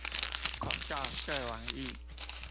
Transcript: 口罩這玩意